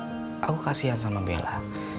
di satu sisi aku kasian sama bella